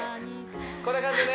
こんな感じでね